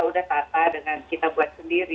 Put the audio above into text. udah tata dengan kita buat sendiri